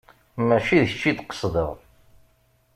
Mačči d kečč i d-qesdeɣ.